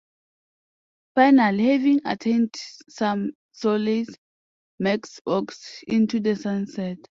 Finally having attained some solace, Max walks into the sunset.